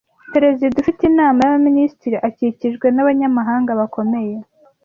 Perezida ufite inama y'abaminisitiri akikijwe n'Abanyamabanga bakomeye,